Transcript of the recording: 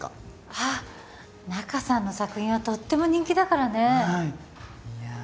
ああ仲さんの作品はとっても人気だからねいやー